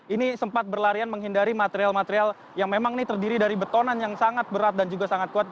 ini sempat berlarian menghindari material material yang memang ini terdiri dari betonan yang sangat berat dan juga sangat kuat